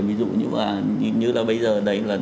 ví dụ như là bây giờ đấy là